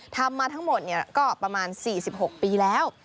ทำมาทั้งหมดก็ประมาณ๔๖ปีแล้ว